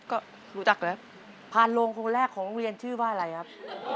ก็รู้จักเลยครับ